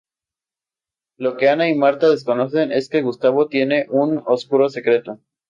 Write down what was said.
Lo que Ana y Martha desconocen es que Gustavo tiene un oscuro secreto.